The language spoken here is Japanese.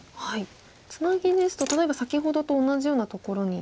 ツナギですと例えば先ほどと同じようなところに。